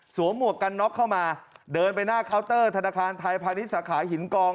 หมวกกันน็อกเข้ามาเดินไปหน้าเคาน์เตอร์ธนาคารไทยพาณิชย์สาขาหินกอง